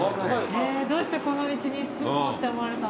どうしてこの道に進もうって思われたんですか？